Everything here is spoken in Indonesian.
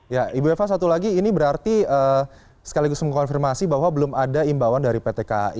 ya ibu eva satu lagi ini berarti sekaligus mengkonfirmasi bahwa belum ada imbauan dari pt kai